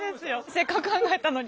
せっかく考えたのに。